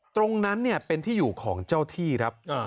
ตรงนั้นเป็นที่อยู่ของเจ้าที่ครับ